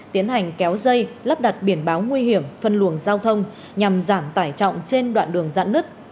tiến hành kéo dây lắp đặt biển báo nguy hiểm phân luồng giao thông nhằm giảm tải trọng trên đoạn đường giãn nứt